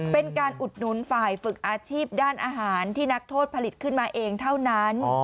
อุดหนุนฝ่ายฝึกอาชีพด้านอาหารที่นักโทษผลิตขึ้นมาเองเท่านั้น